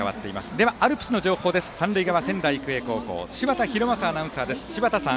では、アルプスの情報三塁側の仙台育英高校柴田拡正アナウンサーです。